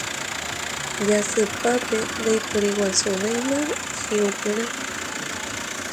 Jasypápe ndaiporiguasuvéima hiʼupyrã.